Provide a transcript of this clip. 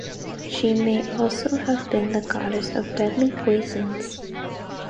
She may also have been the goddess of deadly poisons.